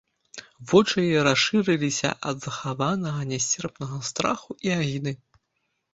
Вочы яе расшырыліся ад захаванага нясцерпнага страху і агіды.